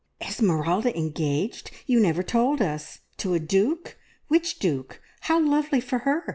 "Esmeralda engaged! You never told us! To a duke. Which duke? How lovely for her!